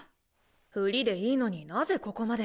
フリでいいのになぜここまで。